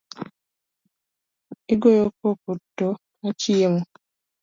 Igoyo koko to achiemo.